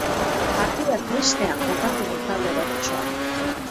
Partida tristea jokatu du talde gorritxoak.